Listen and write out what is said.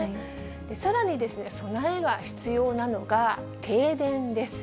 さらに備えが必要なのが、停電です。